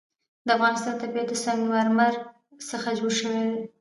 د افغانستان طبیعت له سنگ مرمر څخه جوړ شوی دی.